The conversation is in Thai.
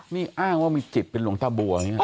นี่อ้างว่ามีจิตเป็นหลวงตาบัวนี่นะ